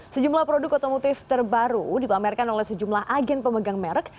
sejumlah produk otomotif terbaru dipamerkan oleh sejumlah agen pemegang merek